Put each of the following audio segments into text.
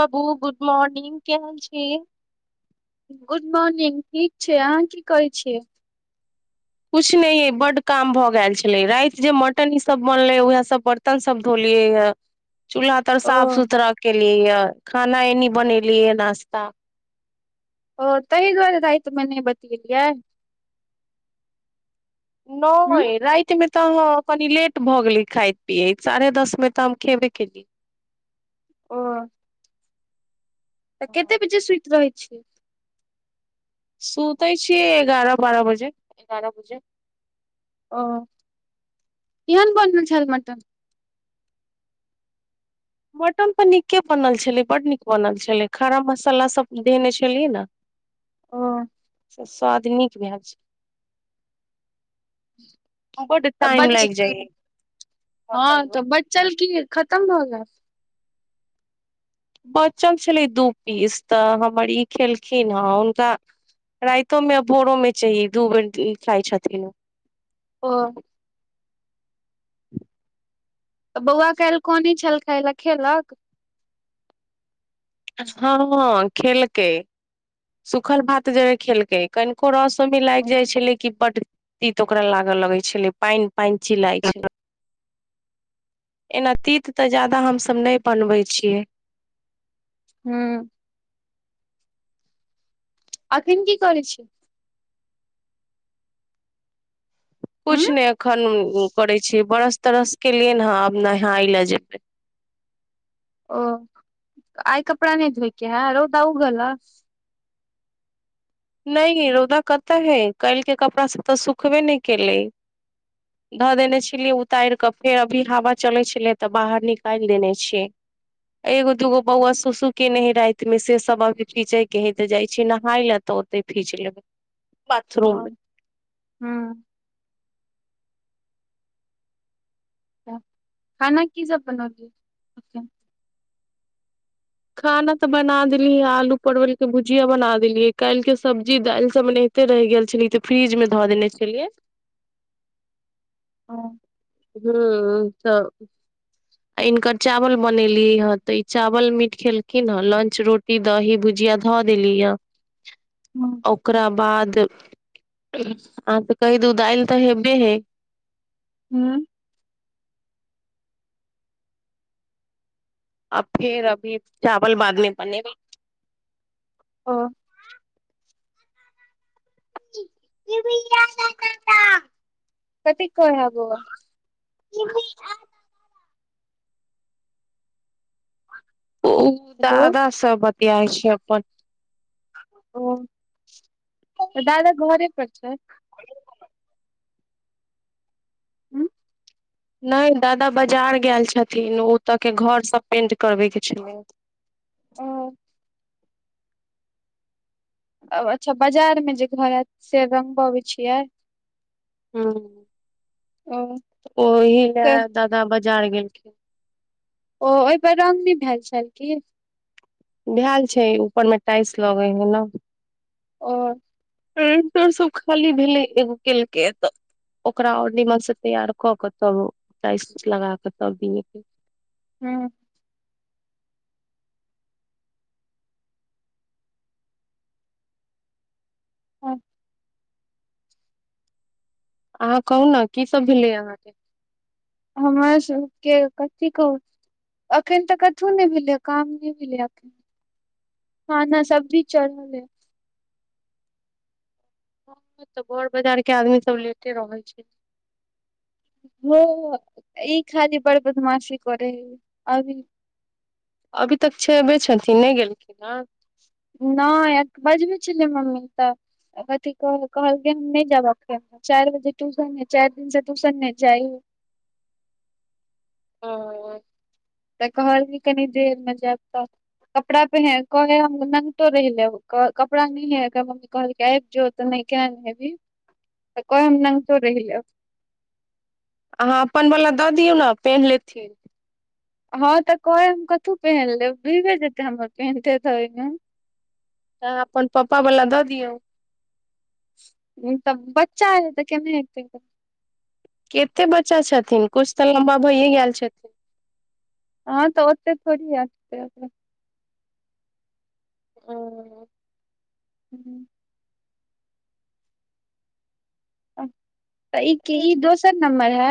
बबू good morning केहन छी गुड मॉर्निंग ठीक छै अहाँ की करय छियै कुछ नहि बड काम भऽ गेल छलै राति जे मटन ई सब बनले उएह सब पर तन सब धोलियै है चूल्हा तर ओ साफ सुथरा केलियै य खाना एनी बनेली य नाास्ता ओ ताहि दुआरे राति मे नहि बतियलियै न हूँ रतमे तऽ ह कनी लेट भऽ गेले खााय पिये साढ़े दस में तऽ हम खेबे केलियै ओ तऽ केतेक बजे स्वीट रहै छै सुतै छीिय एगारह बारह बजे एगारह बजे ओ यहन बनल छल मटन मटन तऽ नीके बनल छलै बड्ड नीक बनल छलै खराब मसालासभ देने छलियै ने ओ त साद नीक भए छै बड तऽ टाइम बच लागि जाइय होटल मे चल की खतम होगा बच्चन छलै दू पीस तऽ हमर ई खेलखिन हेँ हुनका राइतो में आ भोरो में चाही दू बेर इ खाय छथिन ओ बौआ काल्हि कोान छल खा ल खेलक हँ खेलकै सुखल भात जे खेलकै कनिको रस मे लागि जाइ छलै क बड तीत ओकरा लागऽ लगे छलै पानि पं ची लइ छैना तीत तऽ जाददा हमस नहि बनबै छियै हू एखन की कर छै कुछ हूँ ने एखन करे छी बरस तरस के लिए ने आब नहा ए ले जेबे ओ आइ कपड़ा नेदबै रौद उगल नहि रौदा कते है काल्हि के कपड़ा सब तऽ सुूखबे नहि केले धऽ देने छलियै उतार कऽ फेर अभी हवा चले छलै तऽ बाहर निकालि देने छियै एगो दगो बौआ सुसु केने हय राति में से सब अभी खीचे के हे ते जाय छै नहााय ले तऽ फीच लबै ओ हू खाना की सब बनलिय खाना तऽ बना देली आलू परवल के भुजिया बना देलीै काल्हि के सब्जी दालि सब बने ओते रहि गेल छलै ते फ्रिज मे धऽ देने छलियै ह हू त आ इनकर चावल बनेलियै हे तऽ ई चावल मिीट खेलखिन ह लंच रोटी दही भुजिया धऽ देली ह हूँ ओकरा बाद आ तऽ कहि द उ दइल तऽ हेबे है हूँ अ फेर अभी चावल बादमे बने ह भ कतेक क हब ओ हेलो दादा सब बतियाइ छै अपन ओ तऽ दादा घरे पर छै हँ नहि दादा बाजार गेल छथिन ओतऽ के घर सब पेंट करबे के छलै ओ अच्छा बाजार मे जे घर हयत से रंगबबैत छियै ह ओ ओहि ले तऽ दादा बाजार गेलखिन ओ ओहिपर रंग नहि भेल छल की भेल छै ऊपर मे टाइलस लगे है ने ओ रेंनटर सब खाली भेलै एगो केलकै तऽ ओकरा ओर नीमन से तैयार क के तब टाइ लगा के तब दि के हँ हँ अहाँ कहू ने की सब भेलै अहाँके हमर सबके कथी कहु अखन तऽ कथो नहि भेलै काम नय भेलै अखन खाना सब्जी भी चढ़ल है हँ तऽ बर बजार के आदमी सब लेटे रहल छै हो ई खाली बड़ बदमाशी करै हे अभी अभी तक छेबे छथिन नहि गेलखिन ह नहि बजबै छलै मम्मी तऽ अथि कहलखिन हम नहि जायब अखन चार बजे टयूशन य चार दिन से टयूशन नहि जाइ ओ तऽ कहल कनि देर मे जायब तऽ कपड़ा पे है कहै है हम नंगटो रहि लेब कपड़ा न है मम्मी कहल आबि जो तऽ नहि के नहि हेबी तऽ कह हम नगटो रहि लेब अहाँ अपन वला दऽ दियौ ने पेन्ह लेथिन हँ तऽ कहै हम कथहु पहिन लेब भये जेते हमर पेनते ओमे तऽ अपन पप्पा बला दऽ दियौ तब बच्चा है तऽ केने हेतै कते बच्चा छथिन कुछु तऽ लम्बा भइए गेल छथिन हँ तऽ ओते थोड़ी आ हँ हूं तऽ ई ई दोसर नम्बर हे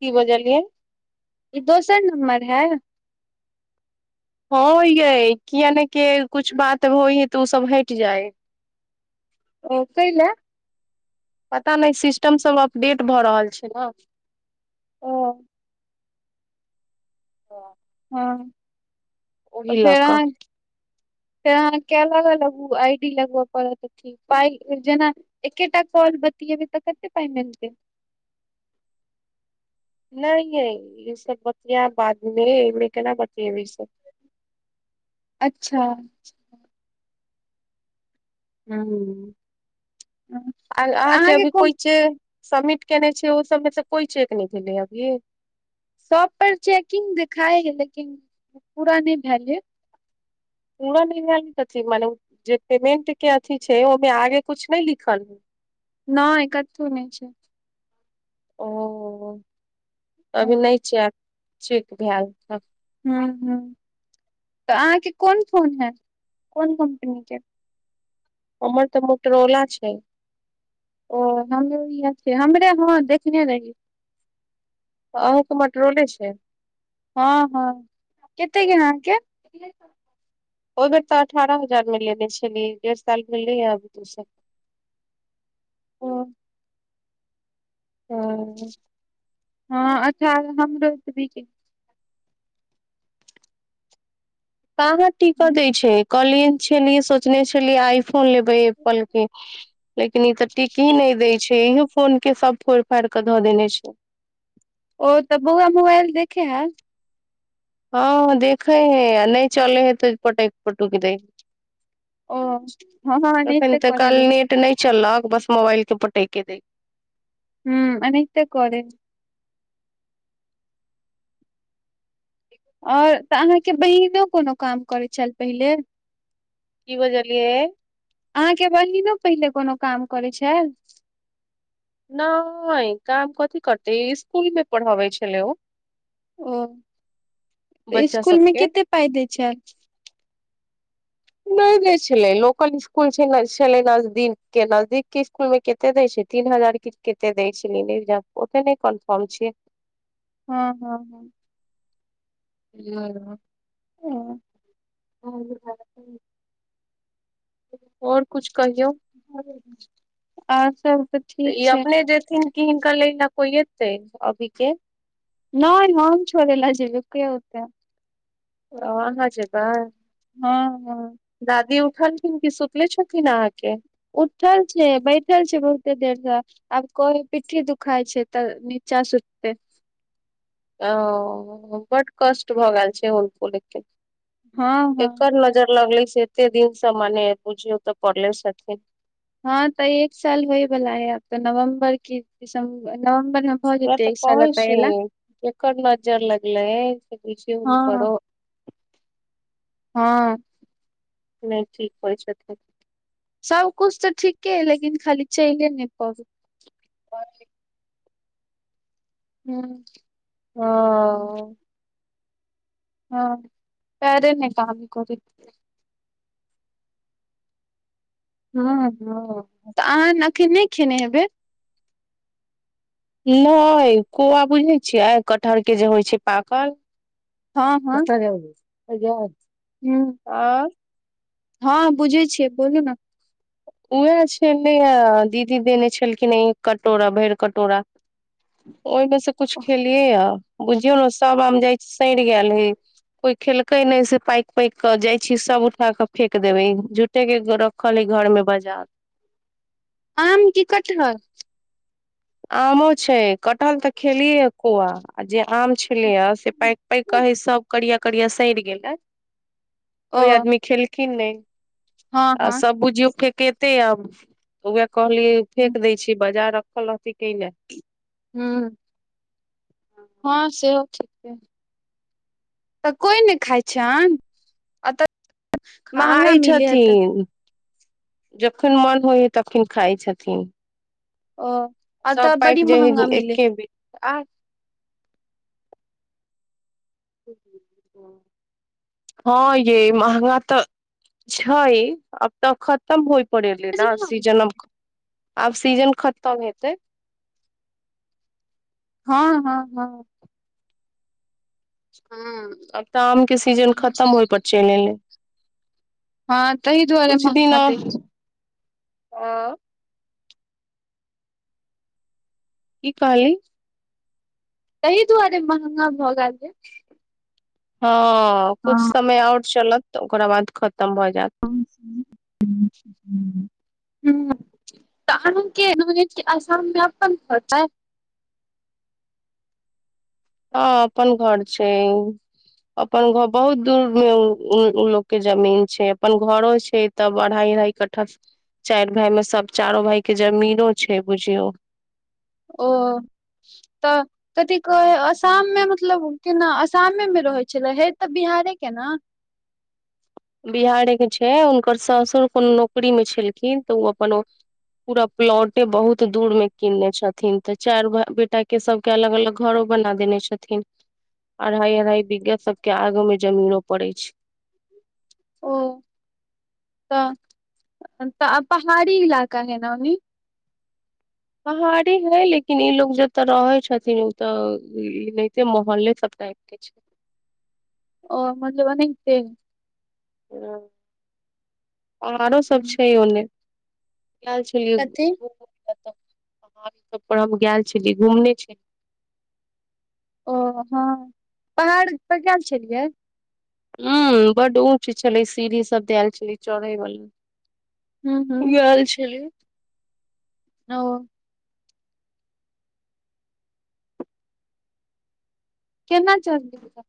की बजलियै ई दोसर नम्बर है हँ हो यै किया ने के कुछ बात होइ है तऽ ओ सब हयट जाय ओ कइले पता नहि सिस्टम सब अपडेट भऽ रहल छै ने ओ हँ तऽ ओहि लऽ फेर कऽ अहाँ फेर अहाँ के अलग अलग आई डी लगबऽ पड़त पाइ जेना एकेटा कॉल बतियेबै तऽ कते पाय मिलतै न य ई सब बतियब बादमे एने केना बतियेबै सब अच्छा ह आ अहाँके अभी कोइ छै सबमिट केने छै ओ सबमे से कोइ चेक नहि भेलै अभी सब पर चेकिंग देखाई है लेकिन पूरा नहि भेले पूरा नहिथ मने जे पेमेंट के अथी छै ओहिमे आगे कुछु नहि लिखल ह [inaudible] नहि कथू नै छै ओ अभी हूँ नहि च चेक भेल हुं हुं तऽ अहाँके कोन फोन है कोन कम्पनी के हमर तऽ मोटरोला छै ओ हमर इ हमरे हँ देखने रही अहूँके मटरोले छै हँ हँ कत कना अके ओ बेर तऽ अठारह हजार मे लेने छललए डेढ़ साल मिलल हैभ तूे ओ ह हँ अच्छा हमरो बाहार टिक दै छै कले छलियै सोचने छलियै आइ फोन लेबे एप्पल के लेकिन ई तऽ टिक ही नहि दय छै इहो फोन के सब फोड़ फाड़ कऽ धऽ देने छै ओ तऽ बौआ मोबइल देखे हे हँ देखै है नहि चल है तऽ पट पटूक दै ओ हँ हँ एखन एनैथे तऽ काल करब नेट नहि चलह बस मोबाइल के पटेयके दय हुँ ऐनाहिंते करै हय आओर तऽ अहाँके बहिनो कोनो काम करैत छल पहिले की बजलियै अहाँके बहिनो पहिले कोनो काम करै छल नहि काम कथी करते इसकुल मे पढ़बै छलै ओ ओ बच्चा इसकुल मे सबके कते पाइ दै छै नहि जे छलै लोकल इसकुल छलै नजदीक के नजदीक के इसकुल मे त दै छै तीन हजार क कत दै छै र ओत नहि कनफर्म छिय हँ हँ हँ ह [inaudible] ह आओर कुछु कहियौ आओर सब तऽ ठीक ई छै अपने जेथिन कि हिनका लै ल को एतै अभी के नहि हमम छोड़ ल जब क होतै ओ अहाँ जेबै हँ हँ दादी उठलखिन क सुतले छथिन अहाँके उठल छै बैठल छै बहुते देरसँ आब कोइ पिट्ठी दुखााय छै तऽ नीचा सुतते ओ बड कष्ट भऽ गेल छै होल फूलके हँ हँ एकर नजर लगली छै एते दिनसँ मने बुझियौ तऽ पड़ले छथिन हँ तऽ एक साल होय बला है आब तो नवम्बर क दिसम्बर नवम्बर मे भऽ इह जेतै तऽ एक साल कहै एतऽ छी एला एक नजर लगलै उन हँ कर हँ नहि ठीक होइ छै सबकुछु तऽ ठीके है लेकिन खाली चलिए नहि पाबैय ब [inaudible] हू हँ हू हँ हँ पैरे नहि काम करै हँ हँ तऽ अहाँ एखन नहि खेने हेबै नहि कौआ बुझने छियै कटहर के जे होइ छै पाकल हँ हँ आ हँ बुझै छियै बोलू ने उएह छलै दीदी देने छलखिन एक कटोरा भरि कटोरा ओहिमे से कुछ खेलियै हा बुझियौ ने सभ आम जाइ छी सड़ि गेल हे कोई खेलकै ने से पैक पैक के जाय छी सब उठा के फेेक देबे झूठे के रखल है घर में बजार आम की कटहर आमो छै कटहल तऽ खेलियए कौआ आ जे आम छलेया से पैक पैक कहे सब करिया करिया सड़ि गेलै ओ कोइ आदमी खेलखिन नहि हँ आ हँ सब बुझियौ फेकेते आब उएह कहलियै फेेक दै छी बजार रखल रहती कयलै हूंम्म हँ सेहो ठीक छै तऽ कोइ ने खाइ छनि। खाय छथिन जखन मन होइ हय तखिन खाय छथिन ओ सब एतऽ बड़ी पाकि जाइ महंगा हइ मिले एके बीर [unintelligible] आ [inaudible] हँ ये महंगा तऽ छै अब तऽ खत खतम होइ पड़ एलै ने सीजन आब सीजन खतम हेतै हँ हँ हँ हँ आब तऽ आम के सीजन खतम होय पर चलि एलै हँ तहि दुआरे महंगा दै छै अ की कहली तहि दुआरे महंगा भऽ गेल यै हँ कुछ समय आउर चलत त ओकरा बाद खतम भऽ जेत [inaudible] हूँ तऽ अनु के ननद के असाम मे अपन घर हय हँ अपन घर छै अपन घर बहुत दूर मे उ लोक के जमीन छै अपन घरो छै तब अढ़ाई अढ़ाई कट्ठा चारि भाई मे सब चारो भाई के जमीनो छै बुझियौ ओ तऽ कथी कहै आसाम मे मतलब केना असामे मे रहैत छलै हय तऽ बिहारे के ने बिहारे के छै हुनकर सासुर कोनो नौकरी मे छेलखिन तऽ ओ अपन पूरा प्लॉटे बहुत दूर मे किनने छथिन तऽ चारि भे बेटा के सब के अलग अलग घरो बना देने छथिन अढ़ाई अढ़ाई बिघा सब के आगु मे जमीनो परै छै ओ तऽ तऽ पहाड़ी इलाका है न ओनी पहाड़ी हय लेकिन ई लोग जत्त रहै छथिन ओतऽ मोहल्ले सबटा एके छै ओ मतलब एनाहिते पहाड़ो सब हम्म। छै ओने कथी [unintelligible] हम गेल छलियै घुमने छेलियै ओ हँ पहाड़ पर गेल छेलियै उंम्म बड्ड ऊंच छलै सीढ़ी सब दैल छलै चढ़ै वाला हूँ हूँ गैल छलियै ओ केना चढलियै